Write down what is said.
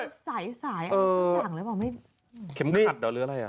สายสายเอาทุกอย่างเลยหรือเปล่าไม่เข็มขัดหรืออะไรอ่ะ